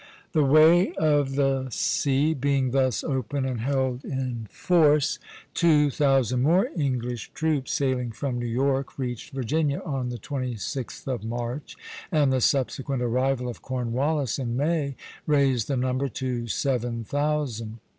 ] The way of the sea being thus open and held in force, two thousand more English troops sailing from New York reached Virginia on the 26th of March, and the subsequent arrival of Cornwallis in May raised the number to seven thousand.